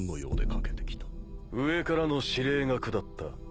上からの指令が下った。